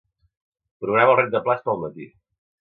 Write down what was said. Programa el rentaplats per al matí.